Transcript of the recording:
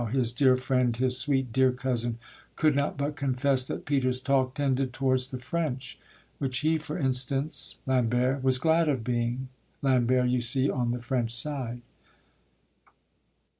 his dear friend, His sweet, dear cousin, could not but confess That Peter's talk tended towards the French, Which he, for instance Lambert, was glad of, Being, Lambert, you see, on the French side.